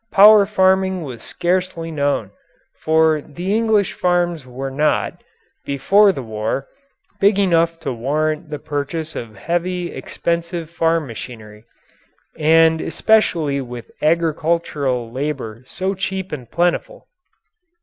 Power farming was scarcely known, for the English farms were not, before the war, big enough to warrant the purchase of heavy, expensive farm machinery, and especially with agricultural labour so cheap and plentiful.